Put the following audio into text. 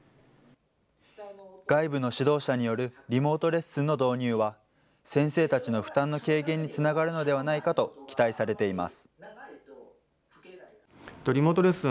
外部の指導者によるリモートレッスンの導入は、先生たちの負担の軽減につながるのではないかと期待されています。